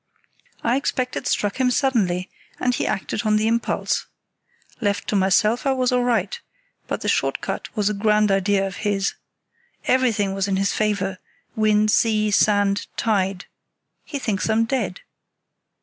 I expect it struck him suddenly, and he acted on the impulse. Left to myself I was all right; but the short cut was a grand idea of his. Everything was in its favour—wind, sea, sand, tide. He thinks I'm dead."